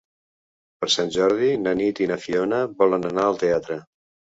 Per Sant Jordi na Nit i na Fiona volen anar al teatre.